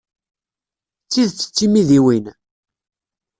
D tidet d timidiwin?